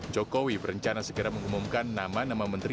jokowi berencana segera mengumumkan nama nama menteri